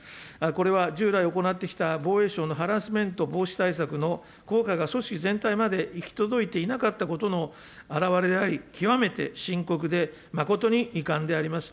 これは従来行ってきた防衛省のハラスメント防止対策の効果が組織全体まで行き届いていなかったことの表れであり、極めて深刻で、誠に遺憾であります。